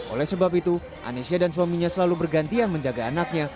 oleh sebab itu anesya dan suaminya selalu bergantian menjaga anaknya